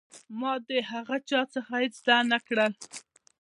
ما د هغه چا څخه هېڅ زده نه کړل.